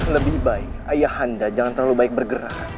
lebih baik ayah anda jangan terlalu baik bergerak